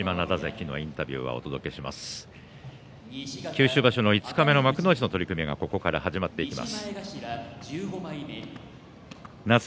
九州場所の五日目の幕内の取組がこれから始まっていきます。